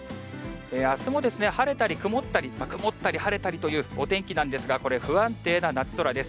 あすも晴れたり曇ったり、曇ったり晴れたりというお天気なんですが、これ、不安定な夏空です。